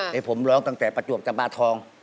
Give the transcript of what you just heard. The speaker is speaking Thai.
ให้ผมร้องตั้งแต่ประจวบจำบาทอง